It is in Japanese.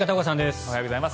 おはようございます。